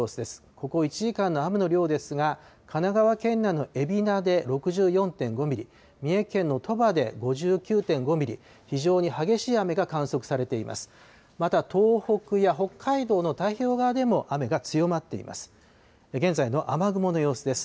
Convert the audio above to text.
ここ１時間の雨の量ですが、神奈川県内の海老名で６４．５ミリ、三重県の鳥羽で５９．５ミリ、非常に激しい雨が観測されています。